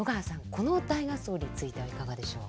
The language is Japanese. この大合奏についてはいかがでしょう？